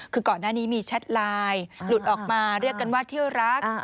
คือก่อนหน้านี้มีแชทไลน์หลุดออกมาเรียกกันว่าเที่ยวรัก